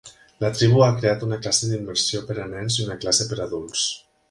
La tribu ha creat una classe d'immersió per a nens i una classe per a adults.